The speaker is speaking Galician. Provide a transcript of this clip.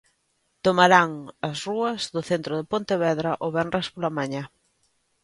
Tomarán as rúas do centro de Pontevedra o venres pola mañá.